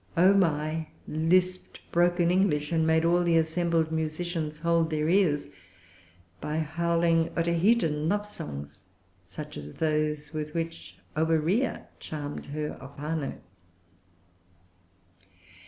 Omai lisped broken English, and made all the assembled musicians hold their ears by howling Otaheitean love songs, such as those with which Oberea charmed her Opano.